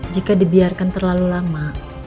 jika dibiarkan terlalu lama